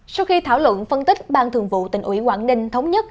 sau khi thảo luận phân tích ban thường vụ tỉnh ủy quảng ninh thống nhất